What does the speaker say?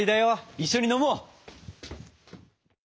一緒に飲もう！